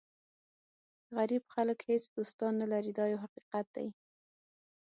غریب خلک هېڅ دوستان نه لري دا یو حقیقت دی.